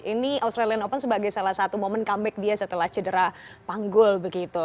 ini australian open sebagai salah satu momen comeback dia setelah cedera panggul begitu